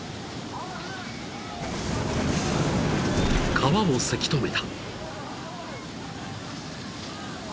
［川をせき止めた］